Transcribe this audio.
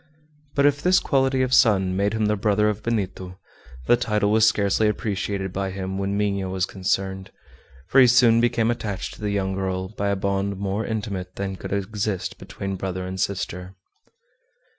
But if this quality of son made him the brother of Benito, the title was scarcely appreciated by him when Minha was concerned, for he soon became attached to the young girl by a bond more intimate than could exist between brother and sister.